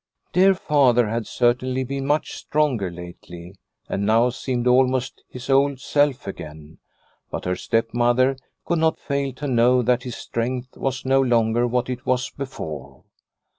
Dear father had certainly been much stronger lately, and now seemed almost his old self again, but her stepmother could not fail to know that his strength was no longer what it was before.